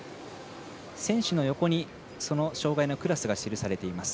選手の横に障がいのクラスが記されています。